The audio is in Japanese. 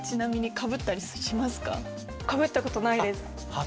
かぶったことないです。